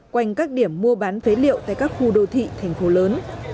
quanh các điểm mua bán phế liệu tại các khu đô thị thành phố lớn